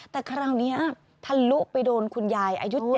แต่คราวนี้ท่านลุ้กไปโดนคุณยาย